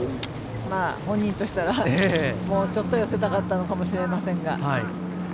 本人としたらもうちょっと寄せたかったのかもしれませんが。